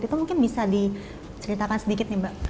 itu mungkin bisa diceritakan sedikit nih mbak